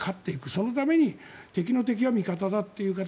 そのために敵の敵は味方だという形。